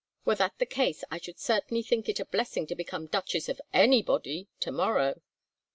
Were that the case, I should certainly think it a blessing to become Duchess of anybody to morrow."